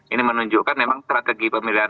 ini menunjukkan memang strategi pemilihan